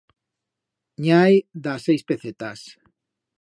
N'i hai d'a seis pecetas.